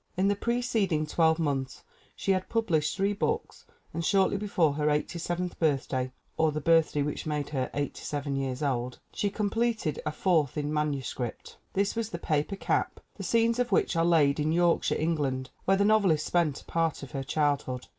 In the precedin'g twelye months she had published three books, and shortly before her eighty seventh birthday (or the birthday which made her eighty seven years old!) she completed a fourth in manuscript! This was The Paper Cap, the scenes of which are laid in Yorkshire, England, where the nov elist spent a part of her childhood.